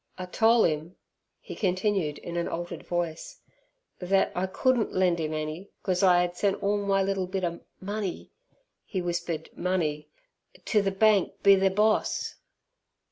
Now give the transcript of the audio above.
"I tole 'im," he continued in an altered voice, "thet I couldn't lend 'im eny cos I 'ad sent all my little bit a money" (he whispered "money") "to ther bank be ther boss.